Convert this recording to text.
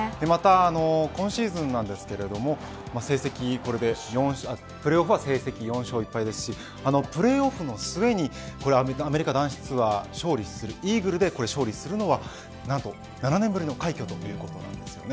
また今シーズンなんですが成績、これでプレーオフは４勝１敗ですしプレーオフの末にアメリカ男子ツアーに勝利するイーグルで勝利するのはなんと７年ぶりの快挙ということです。